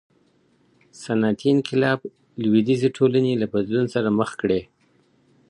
صنعتي انقلاب لویدیځې ټولني له بدلون سره مخ کړې.